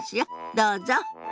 どうぞ。